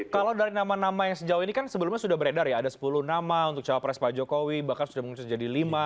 kalau dari nama nama yang sejauh ini kan sebelumnya sudah beredar ya ada sepuluh nama untuk cawapres pak jokowi bahkan sudah muncul jadi lima